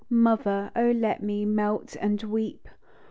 Mother, oh, let me Melt and weep